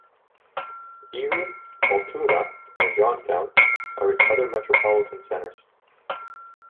Erie, Altoona, and Johnstown are its other metropolitan centers.